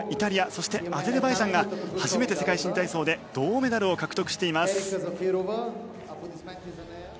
そして、アゼルバイジャンが初めて世界新体操で銅メダルを獲得しています。